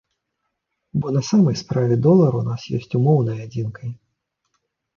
Бо на самай справе долар у нас ёсць умоўнай адзінкай.